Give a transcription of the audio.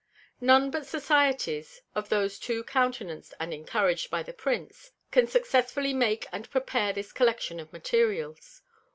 None but Societies, of those too countenanc'd and encourag'd by the Prince, can successfully make and prepare this Collection of Materials.